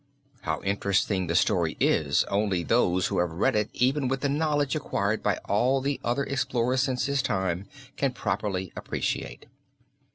How interesting the story is only those who have read it even with the knowledge acquired by all the other explorers since his time, can properly appreciate.